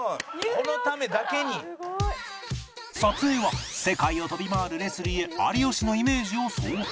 撮影は世界を飛び回るレスリーへ有吉のイメージを送付